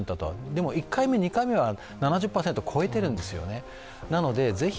でも１回目、２回目は７０％を超えてるんですよね。